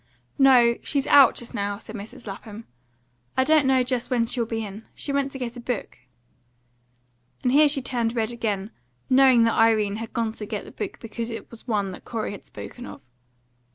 "No; she's out, just now," said Mrs. Lapham. "I don't know just when she'll be in. She went to get a book." And here she turned red again, knowing that Irene had gone to get the book because it was one that Corey had spoken of.